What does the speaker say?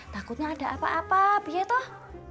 takutnya ada apa apa biaya toh